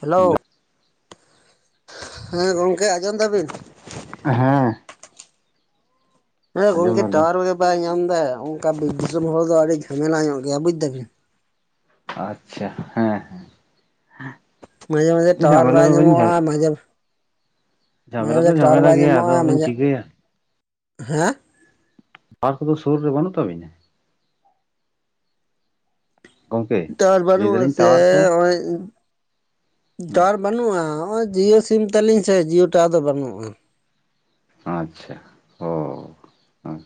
Hello, ᱦᱮᱸ ᱜᱚᱝᱠᱮ ᱟᱸᱡᱚᱢ ᱫᱟᱵᱤᱱ? ᱦᱮᱸ ᱦᱮᱸᱭᱟ ᱟᱸᱡᱚᱢ ᱜᱚᱝᱠᱮ ᱫᱟᱞᱤᱧ ᱴᱟᱣᱟᱨ ᱠᱚ ᱜᱮ ᱵᱟᱭ ᱧᱟᱢ ᱮᱫᱟ ᱚᱱᱠᱟ ᱵᱤᱨ ᱫᱤᱥᱚᱢ ᱦᱚᱲ ᱫᱚ ᱟᱹᱰᱤ ᱡᱷᱟᱢᱮᱞᱟ ᱧᱚᱜ ᱜᱮᱭᱟ ᱵᱩᱡ ᱫᱟᱵᱤᱱ᱾ ᱟᱪᱪᱷᱟ ᱦᱮᱸ ᱦᱮᱸ ᱢᱟᱡᱷᱮ ᱢᱟᱡᱷᱮ ᱴᱟᱣᱟᱨ ᱵᱟᱭ ᱧᱟᱢᱚᱜᱼᱟ᱾ ᱢᱟᱡᱷᱮ ᱢᱟᱡᱷᱮ ᱡᱷᱟᱢᱮᱞᱟ ᱫᱚ ᱢᱟᱡᱷᱮ ᱴᱟᱣᱟᱨ ᱡᱷᱟᱢᱮᱞᱟ ᱵᱟᱭ ᱜᱮᱭᱟ ᱧᱟᱢᱚᱜᱼᱟ ᱟᱫᱚ ᱵᱟᱹᱧ ᱢᱟᱡᱟᱜ᱾ ᱪᱤᱠᱟᱹᱭᱟ ᱦᱮᱸᱜ ᱴᱟᱣᱟᱨ ᱠᱚᱫᱚ ᱥᱩᱨ ᱨᱮ ᱵᱟᱹᱱᱩᱜ ᱛᱟᱹᱵᱤᱱᱟ? ᱜᱚᱝᱠᱮ ᱴᱟᱣᱟᱨ ᱞᱟᱹᱭ ᱵᱟᱱᱩᱜᱼᱟ ᱫᱟᱞᱤᱧ ᱥᱮ ᱴᱟᱣᱟᱨ ᱠᱚ ᱦᱚᱜᱟᱭ ᱴᱟᱣᱟᱨ ᱵᱟᱹᱱᱩᱜᱼᱟ ᱱᱚᱜᱼᱚᱭ ᱡᱤᱭᱳ ᱥᱤᱢ ᱛᱟᱹᱟᱞᱤᱧ ᱥᱮ ᱡᱤᱭᱳ ᱴᱟᱣᱟᱨ ᱫᱚ ᱵᱟᱹᱱᱩᱜᱼᱟ᱾ ᱟᱪᱪᱷᱟ ᱚᱻ ᱟᱸ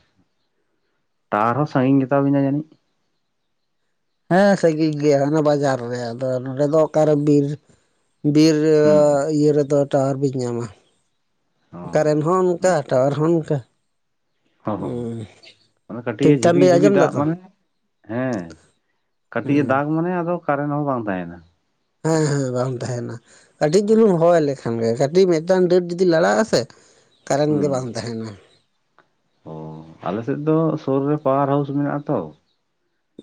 ᱴᱟᱣᱟᱨ ᱦᱚᱸ‌ ᱥᱟᱺᱜᱤᱧ ᱜᱮᱛᱟᱵᱤᱱᱟ ᱡᱟᱹᱱᱤᱡ? ᱦᱮᱸ ᱥᱟᱹᱜᱤ ᱜᱮᱭᱟ ᱦᱟᱱᱮ ᱵᱟᱡᱟᱨ ᱨᱮ ᱟᱫᱚ ᱱᱚᱰᱮ ᱫᱚ ᱚᱠᱟᱨᱮ ᱵᱤᱨ ᱵᱤᱨ ᱦᱩᱸ ᱨᱮᱭᱟᱜ [unintelligible] ᱤᱭᱟᱹ ᱨᱮᱫᱚ ᱴᱟᱣᱟᱨ ᱵᱤᱱ ᱧᱟᱢᱟ᱾ ᱠᱟᱨᱮᱱ ᱦᱚᱸ ᱚᱱᱠᱟ ᱴᱟᱣᱟᱨ ᱦᱚᱸ ᱚᱱᱠᱟ᱾ ᱦᱚᱸ ᱦᱚᱸ ᱦᱚᱸ ᱦᱩᱸ ᱚᱱᱟ ᱠᱟᱹᱴᱤᱡ ᱴᱷᱤᱠ ᱮ ᱴᱷᱟᱠ ᱡᱷᱤᱵᱤ ᱵᱤᱱ ᱡᱷᱤᱵᱤ ᱟᱸᱡᱚᱢ ᱫᱟᱜ ᱫᱟᱛᱚ ᱢᱟᱱᱮ ᱦᱮᱸ ᱠᱟᱹᱴᱤᱡ ᱮ ᱦᱩᱸ᱾ ᱫᱟᱜᱽ ᱢᱟᱱᱮ ᱟᱫᱚ ᱠᱟᱨᱮᱱ ᱦᱚᱸ ᱵᱟᱝ ᱛᱟᱸᱦᱮᱱᱟ᱾ ᱦᱮᱸ ᱦᱮᱸ ᱵᱟᱝ ᱛᱟᱸᱦᱮᱱᱟ ᱠᱟᱹᱴᱤᱡ ᱪᱩᱞᱩᱝ ᱦᱚᱭ ᱞᱮᱠᱷᱟᱱ ᱜᱮ ᱠᱟ ᱴᱤᱡ ᱢᱤᱫᱴᱟᱝ ᱰᱟᱹᱨ ᱡᱩᱫᱤ ᱞᱟᱲᱟᱜ-ᱟ ᱥᱮ ᱠᱟᱨᱮᱱ ᱜᱮ ᱵᱟᱝ ᱛᱟᱦᱮᱱᱟ᱾ ᱚᱻ ᱟᱞᱮᱥᱮᱫ ᱫᱚ ᱥᱩᱨ ᱨᱮ ᱯᱟᱣᱟᱨ ᱦᱟᱣᱩᱥ ᱢᱮᱱᱟᱜᱼᱟ ᱛᱚ᱾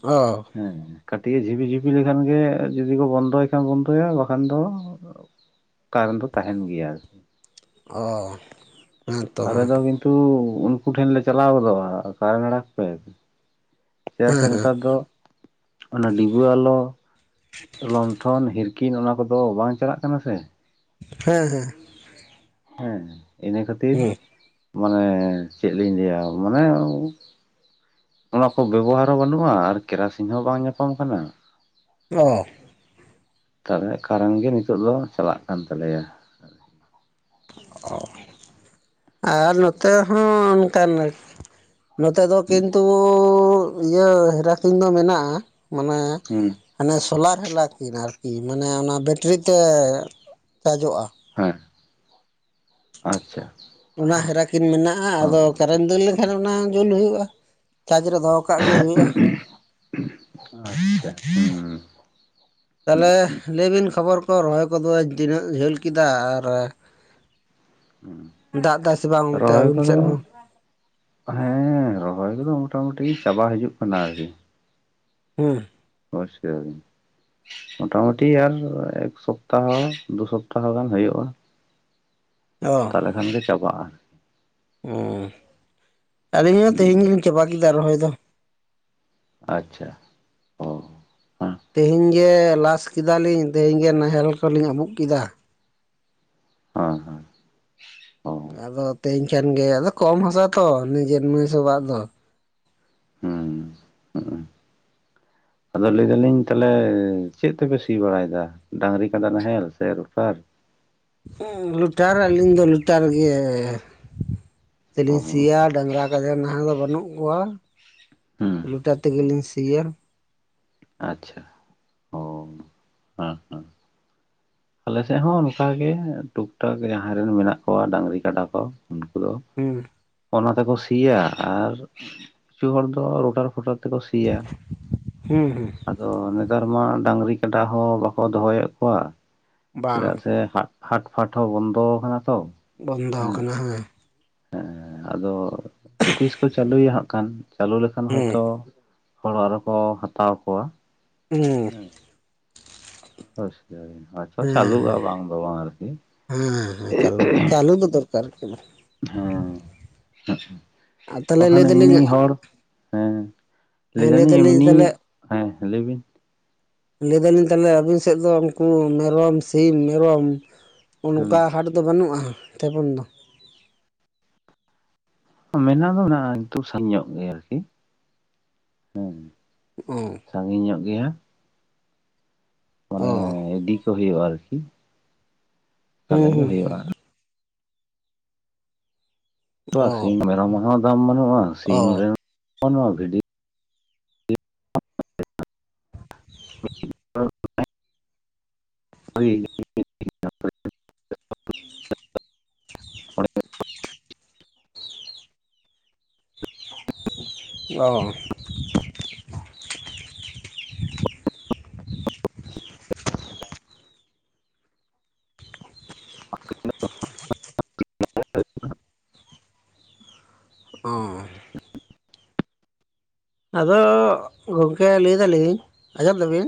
ᱚ ᱦᱮᱸ ᱠᱟᱹᱴᱤᱡ ᱮ ᱡᱷᱤᱵᱤ ᱡᱷᱤᱵᱤ ᱞᱮᱠᱷᱟᱱ ᱜᱮ ᱡᱩᱫᱤ ᱠᱚ ᱵᱚᱱᱫᱚᱭ ᱠᱷᱟᱱ ᱵᱚᱱᱫᱚᱭᱟ ᱵᱟᱠᱷᱟᱱ ᱫᱚ ᱚ ᱠᱟᱨᱮᱱ ᱫᱚ ᱛᱟᱦᱮᱱ ᱜᱮᱭᱟ ᱟᱨ ᱚ ᱦᱮᱸᱛᱚ ᱟᱞᱮ ᱦᱮᱸ ᱫᱚ ᱠᱤᱱᱛᱩ ᱩᱱᱠᱩ ᱴᱷᱮᱱ ᱞᱮ ᱪᱟᱞᱟᱣ ᱜᱚᱫᱚᱜᱼᱟ ᱠᱟᱨᱮᱱ ᱟᱲᱟᱜ ᱯᱮ ᱪᱮᱫᱟᱜ ᱥᱮ ᱦᱮᱸ ᱱᱮᱛᱟᱨ ᱫᱚ ᱚᱱᱟ ᱰᱤᱵᱟᱹ ᱟᱞᱚ, ᱞᱚᱱᱴᱷᱚᱱ ᱦᱤᱨᱠᱤᱱ ᱚᱱᱟ ᱠᱚᱫᱚ ᱵᱟᱝ ᱪᱟᱞᱟᱜ ᱠᱟᱱᱟ ᱥᱮ᱾ ᱦᱮᱸ ᱦᱮᱸ ᱦᱮᱸ ᱤᱱᱟᱹ ᱠᱷᱟᱹᱛᱤᱨ, ᱦᱮᱸ ᱢᱟᱱᱮ ᱪᱮᱫ ᱞᱤᱧ ᱞᱟᱹᱭᱟ ᱢᱟᱱᱮ ᱚᱱᱟ ᱠᱚ ᱵᱮᱵᱚᱦᱟᱨ ᱦᱚᱸ ᱵᱟᱹᱱᱩᱜᱼᱟ ᱟᱨ ᱠᱮᱨᱟᱥᱤᱝ ᱦᱚᱸ ᱵᱟᱝ ᱧᱟᱯᱟᱢ ᱠᱟᱱᱟ᱾ ᱚ ᱠᱟᱨᱮᱜ ᱠᱟᱨᱮᱱ ᱜᱮ ᱱᱤᱛᱚᱜ ᱫᱚ ᱪᱟᱞᱟᱜ ᱠᱟᱱ ᱛᱟᱞᱮᱭᱟ᱾ ᱚ ᱟᱨ ᱱᱚᱛᱮ ᱦᱚᱸ ᱚᱱᱠᱟᱱ, ᱱᱚᱛᱮ ᱫᱚ ᱠᱤᱱᱛᱩᱻ ᱤᱭᱟᱹ ᱦᱮᱨᱟ ᱠᱤᱱ ᱫᱚ ᱢᱮᱱᱟᱜᱼᱟ ᱢᱟᱱᱮ ᱦᱩᱸ᱾ ᱦᱟᱱᱮ ᱥᱳᱞᱟᱨ ᱦᱮᱞᱟ ᱠᱤᱱ ᱟᱨᱠᱤ ᱢᱟᱱᱮ ᱚᱱᱟ ᱵᱮᱴᱨᱤ ᱛᱮ ᱪᱟᱨᱡᱚᱜᱼᱟ᱾ ᱦᱮᱸ ᱟᱪᱷᱟ᱾ ᱚᱱᱟ ᱦᱮᱨᱟ ᱠᱤᱱ ᱢᱮᱱᱟᱜᱼᱟ ᱟᱫᱚ ᱠᱟᱨᱮᱱ ᱫᱟᱹᱲ ᱞᱮᱱᱠᱷᱟᱱ ᱚᱱᱟ ᱡᱩᱞ ᱦᱩᱭᱩᱜᱼᱟ᱾ ᱪᱟᱡᱽ ᱨᱮ ᱫᱚᱦᱚ‌ ᱠᱟᱜ ᱜᱮ ᱦᱩᱭᱩᱜᱼᱟ᱾ ᱟᱪᱪᱷᱟ, ᱦᱩᱸ, [unintelligible] ᱛᱟᱦᱚᱞᱮ ᱞᱟᱹᱭ ᱵᱤᱱ ᱠᱷᱚᱵᱚᱨ ᱠᱚ ᱨᱚᱦᱚᱭ ᱠᱚᱫᱚ ᱛᱤᱱᱟᱹᱜ ᱡᱷᱟᱹᱞ ᱠᱮᱫᱟ ᱟᱨ ᱦᱩ, ᱫᱟᱜ ᱫᱟᱭ ᱥᱮ ᱵᱟᱝ ᱚᱱᱛᱮ ᱨᱚᱦᱚᱭ ᱟᱹᱵᱤᱱ ᱠᱚᱫᱚ, ᱥᱮᱫ ᱦᱚᱸ ᱦᱮᱸ ᱨᱚᱦᱚᱭ ᱠᱚᱫᱚ ᱢᱚᱴᱟ ᱢᱩᱩᱴᱤ ᱪᱟᱵᱟ ᱦᱤᱡᱩᱜ ᱠᱟᱱᱟ ᱟᱨᱠᱤ, ᱦᱩᱸ, [unintelligible] ᱢᱚᱴᱟ ᱢᱩᱴᱤ ᱟᱨ ᱮᱠ ᱥᱚᱯᱛᱟᱦᱚ ᱫᱩ ᱥᱚᱯᱛᱟᱦᱚ ᱜᱟᱱ ᱦᱩᱭᱩᱜᱼᱟ᱾ ᱚ᱾ ᱮᱲᱮ ᱠᱷᱟᱱᱜ ᱜᱮ ᱪᱟᱵᱟᱜᱼᱟ᱾ ᱩᱸ ᱟᱹᱞᱤᱧ ᱦᱚᱸ ᱦᱩᱸ ᱛᱮᱦᱮᱧ ᱜᱮᱞᱤᱧ ᱪᱟᱵᱟ ᱠᱮᱫᱟ ᱨᱚᱦᱚᱭ ᱫᱚ᱾ ᱟᱪᱪᱷᱟ᱾ ᱚ ᱦᱮᱸ ᱛᱮᱦᱮᱧ ᱜᱮ ᱞᱟᱥ ᱠᱮᱫᱟᱞᱤᱧ ᱛᱮᱦᱮᱧ ᱜᱮ ᱱᱟᱦᱮᱞ ᱠᱚᱞᱤᱧ ᱟᱵᱩᱜ ᱠᱮᱫᱟ᱾ ᱚ ᱦᱟᱸ᱾ ᱟᱫᱚ ᱛᱮᱦᱮᱧ ᱠᱷᱟᱱᱜᱮ ᱟᱫᱚ ᱠᱚᱢ ᱦᱟᱥᱟ ᱛᱚ ᱱᱤᱡᱮ ᱥᱚᱵᱟᱜ ᱫᱚ‌᱾ ᱦᱩᱸ ᱩᱸᱦ᱾ ᱟᱫᱚ ᱞᱟᱹᱭ ᱫᱟᱞᱤᱧ ᱛᱟᱦᱚᱞᱮ ᱪᱮᱫ ᱛᱮᱯᱮ ᱥᱤ ᱵᱟᱲᱟᱭᱮᱫᱟ? ᱰᱟᱸᱝᱨᱤ ᱠᱟᱰᱟ ᱱᱟᱦᱮᱞ ᱥᱮ ᱨᱩᱴᱟᱨ? ᱦᱩᱸ, ᱞᱩᱴᱟᱨ ᱟᱹᱞᱤᱧ ᱫᱚ ᱞᱩᱴᱟᱨ ᱜᱮ᱾ ᱛᱮ ᱚ ᱞᱤᱧ ᱥᱤᱭᱟ ᱰᱟᱸᱝᱨᱟ ᱠᱟᱡᱟ ᱱᱟᱦᱟᱜ ᱫᱚ ᱵᱟᱹᱱᱩᱜ ᱠᱚᱣᱟ᱾ ᱦᱩᱸ ᱨᱩᱴᱟᱨ ᱛᱮᱜᱮ ᱞᱤᱧ ᱥᱤᱭᱟ᱾ ᱟᱪᱪᱷᱟ᱾ ᱚ ᱦᱮᱸ ᱦᱮᱸ ᱟᱞᱮ ᱥᱮᱜ ᱦᱚᱸ ᱚᱱᱠᱟ ᱜᱮ ᱴᱩᱠ ᱴᱟᱠ ᱡᱟᱦᱟᱸᱭ ᱨᱮᱱ ᱢᱮᱱᱟᱜ ᱠᱚᱣᱟ ᱰᱟᱹᱝᱨᱤ ᱠᱟᱰᱟ ᱠᱚ ᱩᱱᱠᱩ ᱫᱚ, ᱦᱩᱸ᱾ ᱚᱱᱟ ᱛᱮᱠᱚ ᱥᱤᱭᱟ ᱟᱨ ᱠᱤᱪᱩ ᱦᱚᱲ ᱫᱚ ᱨᱳᱴᱟᱨ ᱯᱷᱚᱴᱟᱨ ᱛᱮᱠᱚ ᱥᱤᱭᱟ? ᱦᱩᱸ ᱦᱩᱸ᱾ ᱟᱫᱚ ᱱᱮᱛᱟᱨ ᱢᱟ ᱰᱟᱹᱝᱨᱤ ᱠᱟᱰᱟ ᱦᱚᱸ ᱵᱟᱠᱚ ᱫᱚᱦᱚᱭᱮᱫ ᱠᱚᱣᱟ ᱵᱟᱝ ᱪᱮᱫᱟᱜ ᱥᱮ ᱦᱟᱜ ᱦᱟᱴᱯᱷᱟᱴ ᱦᱚᱸ ᱵᱚᱱᱫᱚ ᱠᱟᱱᱟ ᱛᱚ᱾ ᱵᱚᱱᱫᱚ ᱠᱟᱱᱟ ᱦᱮᱸ᱾ ᱦᱮᱸ ᱟᱫᱚ, ᱛᱤᱥ ᱠᱚ ᱪᱟᱹᱞᱩᱭᱟ ᱦᱟᱜ ᱠᱷᱟᱱ ᱪᱟᱹᱞᱩ ᱞᱮᱠᱷᱟᱱ ᱦᱩᱸ ᱦᱚᱭᱛᱚ, ᱦᱚᱲ ᱟᱨᱦᱚᱸ ᱠᱚ ᱦᱟᱛᱟᱣ ᱠᱚᱣᱟ᱾ ᱩᱸ ᱦᱳᱭᱥᱮ ᱦᱚᱭᱛᱚ ᱪᱟᱹᱞᱩᱜᱼᱟ ᱵᱟᱝ ᱫᱚ ᱵᱚᱝ ᱟᱨᱠᱤ, ᱦᱩᱸ ᱦᱩᱸ ᱪᱟᱞᱩ ᱪᱟᱞᱩ ᱫᱚ ᱫᱚᱨᱠᱟᱨ ᱠᱟᱱᱟ᱾ ᱦᱩᱸ ᱦᱩᱜ ᱟᱨ ᱛᱟᱦᱚᱞᱮ ᱞᱟᱹᱭ ᱵᱟᱠᱷᱟᱱ ᱮᱢᱱᱤ ᱫᱟᱞᱤᱧ ᱦᱚᱲ ᱦᱮᱸ, ᱦᱮᱸ ᱞᱮᱹᱭ ᱞᱟᱹᱭ ᱫᱟᱞᱤᱧ ᱮᱢᱱᱤ, ᱛᱟᱦᱚᱞᱮ ᱦᱮᱸ ᱞᱟᱹᱭ ᱵᱤᱱ? ᱞᱮᱹᱭ ᱫᱟᱹᱞᱤᱧ ᱛᱟᱦᱚᱞᱮ ᱟᱹᱵᱤᱱ ᱥᱮᱜ ᱫᱚ ᱩᱱᱠᱩ ᱢᱮᱨᱚᱢ ᱥᱤᱢ ᱢᱮᱨᱚᱢ, ᱦᱮᱸ ᱚᱱᱠᱟ ᱦᱟᱴ ᱫᱚ ᱵᱟᱹᱱᱩᱜᱼᱟ ᱛᱮᱢᱚᱱ ᱫᱚ᱾ ᱢᱮᱱᱟᱜ ᱫᱚ ᱢᱮᱱᱟᱜᱼᱟ ᱤᱱᱛᱩ ᱥᱟᱞ ᱧᱚᱜ ᱜᱮᱭᱟ ᱟᱨᱠᱤ ᱦᱮᱸ‌᱾ ᱦᱩᱸ ᱩᱸ ᱥᱟᱸᱜᱤᱧ ᱧᱚᱜ ᱜᱮᱭᱟ᱾ ᱚ ᱢᱟᱱᱮ ᱤᱰᱤ ᱠᱚ ᱦᱩᱭᱩᱜᱼᱟ ᱟᱨᱠᱤ ᱛᱟᱦᱚᱞᱮ ᱦᱩᱸ ᱜᱮ ᱦᱩᱸ ᱦᱩᱸ ᱦᱩᱭᱩᱜᱼᱟ ᱛᱚᱣᱟ ᱚ ᱥᱤᱢ ᱢᱮᱨᱚᱢ ᱦᱚᱸ ᱫᱟᱢ ᱵᱟᱹᱱᱩᱜᱼᱟ ᱚ ᱥᱤᱢ ᱨᱮᱦᱚᱸ ᱵᱟᱹᱱᱩᱜᱼᱟ ᱵᱷᱤᱰᱤ [inaudible] [unintelligible] [unintelligible] [unintelligible] [unintelligible] ᱚ ᱟᱫᱚ ᱜᱚᱢᱠᱮ ᱞᱟᱹᱭ ᱫᱟᱞᱤᱧ ᱟᱡᱚᱸᱢ ᱫᱟ ᱵᱤᱱ